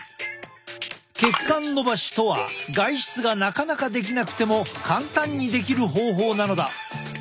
血管のばしとは外出がなかなかできなくても簡単にできる方法なのだ。